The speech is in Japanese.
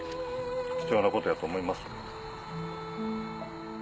貴重なことやと思います。